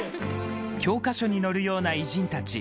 教科書に載るような偉人たち。